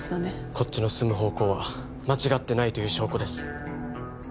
こっちの進む方向は間違ってないという証拠です